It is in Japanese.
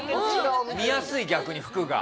見やすい逆に服が。